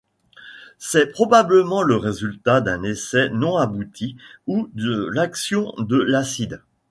C'est probablement le résultat d'un essai non abouti ou de l'action de l'acide.